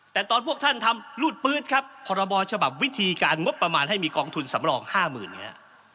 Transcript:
แต่ตอนพวกท่านทำรูดปื๊ดครับพรบฉบับวิธีการงบประมาณให้มีกองทุนสำรอง๕๐๐๐เนี่ย